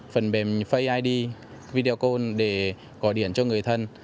phần mềm face id video call để gọi điện cho người thân